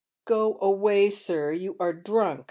" Go away, sir. You are drunk.